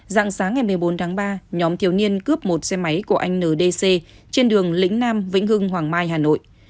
dạng sáng ngày một mươi bốn tháng ba nhóm thiếu niên cướp một xe máy của anh ndc trên đường lĩnh nam vĩnh hưng hoàng mai hà nội